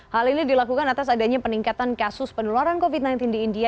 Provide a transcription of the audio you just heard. hal ini dilakukan atas adanya peningkatan kasus penularan covid sembilan belas di india